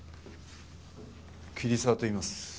桐沢といいます。